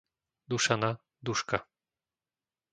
Dušana, Duška